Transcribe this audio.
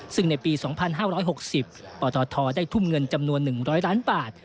ซึ่งในปี๒๕๖๐ปทได้ทุ่มเงินจำนวน๑๐๐ล้านบาท